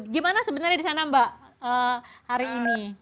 gimana sebenarnya di sana mbak hari ini